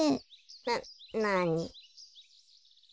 ななに？